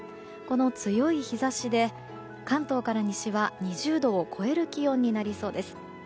この強い日差しで関東から西は２０度を超える気温になりそうです。